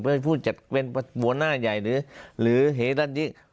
เพื่อให้ผู้จัดเวรบัวหน้าใหญ่หรือเหตุด้านนี้